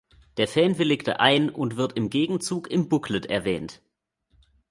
Der Fan willigte ein und wird im Gegenzug im Booklet erwähnt.